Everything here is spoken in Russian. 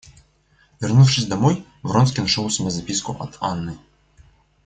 Вернувшись домой, Вронский нашел у себя записку от Анны.